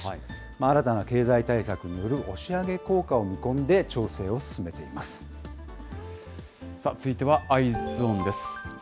新たな経済対策による押し上げ効果を見込んで、調整を進めています。